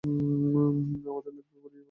আমাদের লাগবে বলে ওদের বাঁচাচ্ছো?